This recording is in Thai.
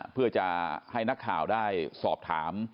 เพื่อจะให้นักข่าวได้สอบถาม